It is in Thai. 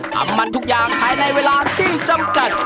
ทำมันทุกอย่างภายในเวลาที่จำกัด